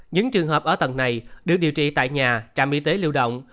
những trường hợp ở tầng này được điều trị tại nhà trạm y tế lưu động